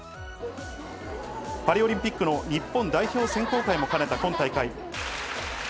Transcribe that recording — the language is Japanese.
パリオリンピックの日本代表選考会も兼ねた今大会。